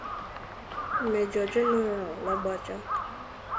'Major General' Lagbaja